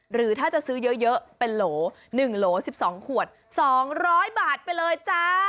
หรือถ้าจะซื้อเยอะเป็นโหล๑โหล๑๒ขวด๒๐๐บาทไปเลยจ้า